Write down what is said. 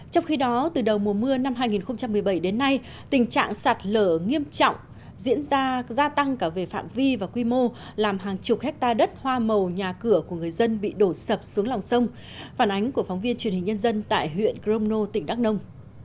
trong khi đó từ đầu mùa mưa năm hai nghìn một mươi bảy đến nay tình trạng sạt lở nghiêm trọng diễn ra gia tăng cả về phạm vi và quy mô làm hàng chục hectare đất hoa màu nhà cửa của người dân bị đổ sập xuống lòng sông phản ánh của phóng viên truyền hình nhân dân tại huyện cromno tỉnh đắk nông